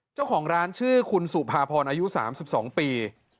เจ้าของร้านชื่อคุณสุภาพรอายุ๓๒ปี